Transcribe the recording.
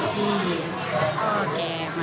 ที่พ่อแก่มา